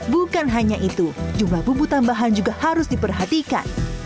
bukan hanya itu jumlah bumbu tambahan juga harus diperhatikan